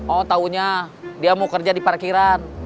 oh taunya dia mau kerja di parkiran